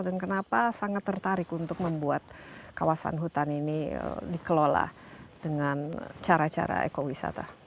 dan kenapa sangat tertarik untuk membuat kawasan hutan ini dikelola dengan cara cara ekowisata